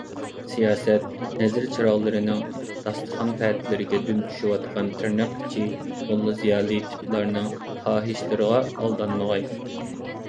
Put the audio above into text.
سىياسەت نەزىر -چىراغلىرىنىڭ داستىخان - پەتىلىرىگە دۈم چۈشۈۋاتقان تىرناق ئىچى «موللا - زىيالىي» تىپلارنىڭ خاھىشلىرىغا ئالدانمىغاي.